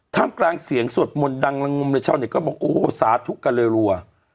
ท่ำกลางเสียงสวดมนต์ดังลงมในช่วงเนี้ยก็บอกโอ้โหสาธุกันเรียรัว